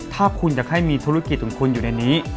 ถ้าคุณอยากให้มีธุรกิจของคุณอยู่ในนี้